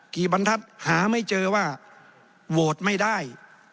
บรรทัศน์หาไม่เจอว่าโหวตไม่ได้